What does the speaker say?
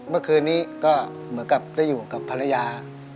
เมื่อคืนนี้ก็เหมือนกับได้อยู่กับภรรยา